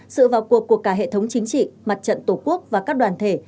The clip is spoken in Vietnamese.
sự vào cuộc của cả hệ thống chính trị mặt trận tổ quốc và các đoàn thể